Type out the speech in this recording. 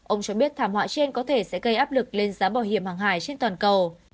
ông cho biết thảm họa trên có thể sẽ gây áp lực lên giá bảo hiểm hàng hải trên toàn cầu